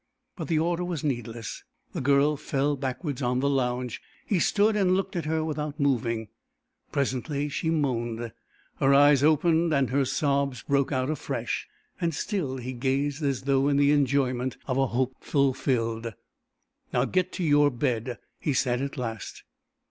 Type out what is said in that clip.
But the order was needless. The girl fell backwards on the lounge. He stood and looked at her without moving. Presently she moaned; her eyes opened and her sobs broke out afresh. And still he gazed as though in the enjoyment of a hope fulfilled. "Now get to your bed," he said, at last.